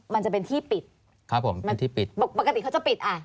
มันเป็นที่ปิดปกติเขาจะปิด